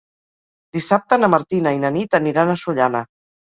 Dissabte na Martina i na Nit aniran a Sollana.